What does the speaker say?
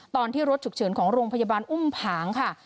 ตอนที่รถฉุกเฉินของโรงพยาบาลอุ้มผางค่ะ